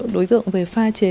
đối tượng về pha chế